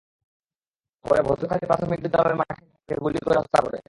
পরে ভদ্রখালী প্রাথমিক বিদ্যালয়ের মাঠে নিয়ে তাঁকে গুলি করে হত্যা করে।